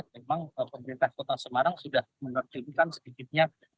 memang pemerintah kota semarang sudah menertibkan sedikitnya